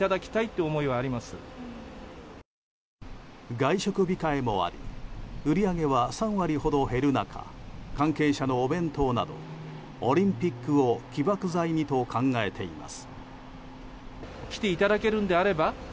外食控えもあり売り上げは３割ほど減る中関係者のお弁当などオリンピックを起爆剤にと考えてます。